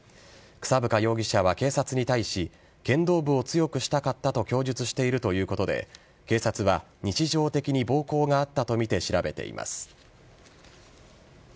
草深容疑者は警察に対し剣道部を強くしたかったと供述しているということで警察は日常的に暴行があったとみて調べています。